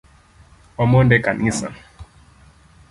Wamond ekanisa